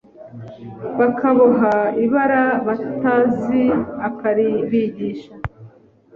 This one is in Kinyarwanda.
bakaboha, ibara batazi akaribigisha,